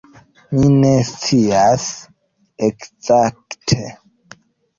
Mi ne scias ekzakte.